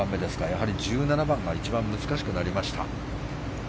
やはり１７番が一番難しくなりました。